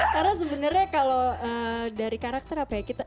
karena sebenernya kalo dari karakter apa ya